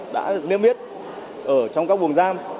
đã liên miết ở trong các buồng giam